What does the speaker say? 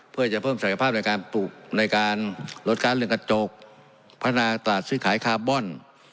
เพื่อจะเพิ่มศักยภาพในการปลูกในการลดการเรื่องกระจกพัฒนาตลาดซื้อขายคาร์บอน